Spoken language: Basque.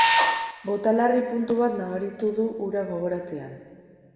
Botalarri puntu bat nabaritu du hura gogoratzean.